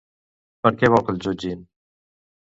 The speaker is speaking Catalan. Per què vol que el jutgin?